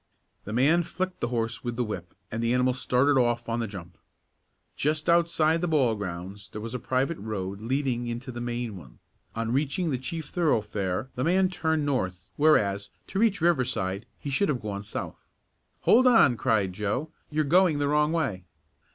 The man flicked the horse with the whip and the animal started off on the jump. Just outside the ball grounds there was a private road leading into the main one. On reaching the chief thoroughfare the man turned north whereas, to reach Riverside, he should have gone south. "Hold on!" cried Joe, "you're going the wrong way."